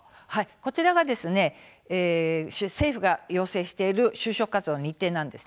こちらは政府が要請している就職活動の日程です。